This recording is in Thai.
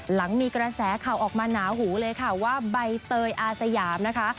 หลังมีกระแสข่าวออกมาหนาหูเลยค่ะว่าใบเตยอาสยามนะคะ